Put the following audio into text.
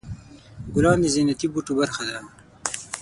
ګلان د زینتي بوټو برخه ده.